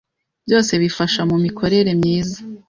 Byose bifasha mu mikorere myiza